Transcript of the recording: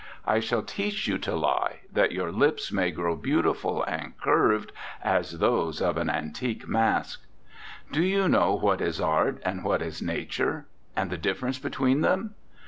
I shall teach you to lie, that your lips may grow beautiful and curved as those of an an tique mask. "Do you know what is art and what is nature? And the difference between them?